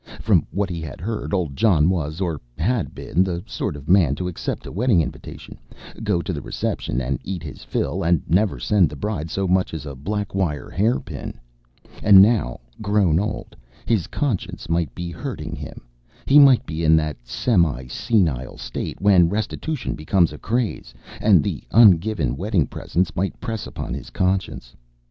From what he had heard, old John was or had been the sort of man to accept a wedding invitation, go to the reception and eat his fill, and never send the bride so much as a black wire hairpin. And now, grown old, his conscience might be hurting him. He might be in that semi senile state when restitution becomes a craze, and the ungiven wedding presents might press upon his conscience.